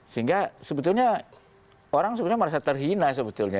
sehingga sebetulnya orang sebenarnya merasa terhina sebetulnya